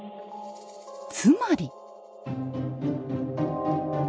つまり。